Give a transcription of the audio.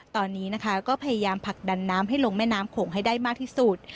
ตอนนี้นะคะก็พยายามผลักดันน้ำให้ลงแม่น้ำโขงให้ได้มากที่สุด